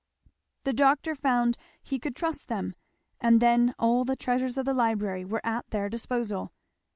The doctor found he could trust them, and then all the treasures of the library were at their disposal.